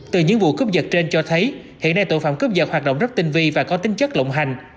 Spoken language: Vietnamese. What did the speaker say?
từ những vụ cướp giật trên cho thấy hiện nay tội phạm cướp giật hoạt động rất tinh vi và có tính chất lộng hành